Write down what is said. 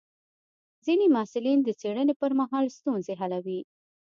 ځینې محصلین د څېړنې پر مهال ستونزې حلوي.